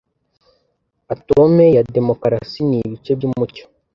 Atome ya Demokarasi n’ Ibice by'Umucyo